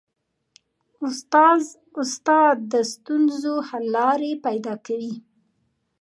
استاد د ستونزو حل لارې پیدا کوي.